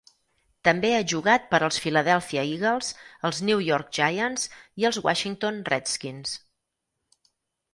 També ha jugat per als Philadelphia Eagles, els New York Giants i els Washington Redskins.